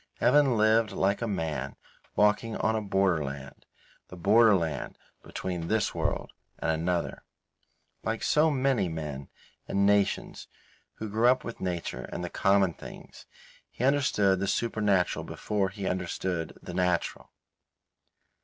Evan lived like a man walking on a borderland, the borderland between this world and another. Like so many men and nations who grow up with nature and the common things, he understood the supernatural before he understood the natural.